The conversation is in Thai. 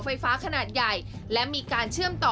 ซึ่งในการตรวจค้นภายในกลุ่มกล้างพื้นนี้